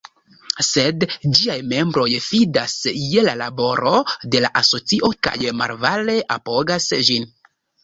Sed ĝiaj membroj fidas je la laboro de la asocio kaj malavare apogas ĝin.